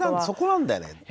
そこなんだよね。